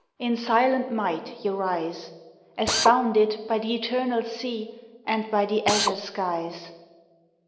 In silent might ye rise, As bounded by th' eternal sea And by the azure skies!